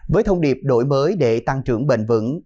với thông điệp đổi mới để tăng trưởng bền vững